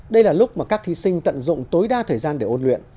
đây là lúc mà các thi sinh tận dụng tối đa thời gian định